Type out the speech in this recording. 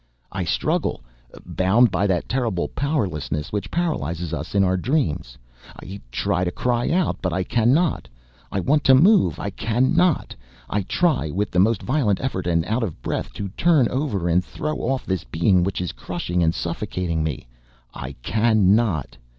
I struggle, bound by that terrible powerlessness which paralyzes us in our dreams; I try to cry out but I cannot; I want to move I cannot; I try, with the most violent efforts and out of breath, to turn over and throw off this being which is crushing and suffocating me I cannot!